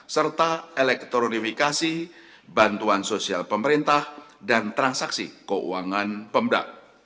serta elektronifikasi bantuan sosial pemerintah dan transaksi keuangan pemda